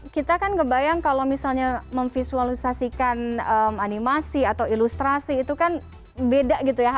kita kan ngebayang kalau misalnya memvisualisasikan animasi atau ilustrasi itu kan beda gitu ya